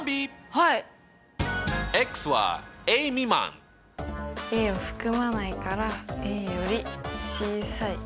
はい。を含まないからより小さい。